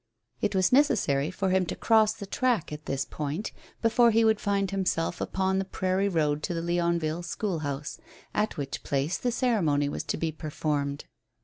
It was necessary for him to cross the track at this point before he would find himself upon the prairie road to the Leonville school house, at which place the ceremony was to be performed.